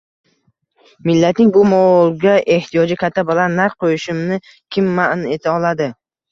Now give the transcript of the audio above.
Millatning bu molga ehtiyoji katta, baland narx qo'yishimni kim ma'n eta oladi?